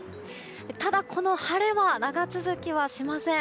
ただ、この晴れは長続きはしません。